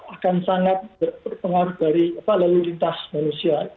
akan sangat berpengaruh dari lalu lintas manusia